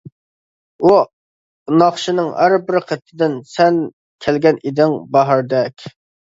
ئۇ ناخشىنىڭ ھەر بىر قېتىدىن سەن كەلگەن ئىدىڭ باھاردەك.